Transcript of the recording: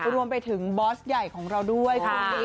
รวมไปถึงบอสใหญ่ของเราด้วย